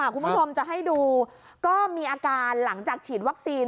คุณผู้ชมจะให้ดูก็มีอาการหลังจากฉีดวัคซีน